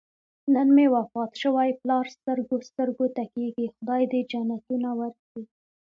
نن مې وفات شوی پلار سترګو سترګو ته کېږي. خدای دې جنتونه ورکړي.